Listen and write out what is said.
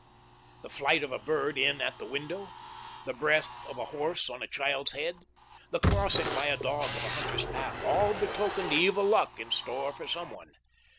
The flight of a bird in at the window, the breath of a horse on a child's head, the crossing by a dog of a hunter's path, all betokened evil luck in store for some one.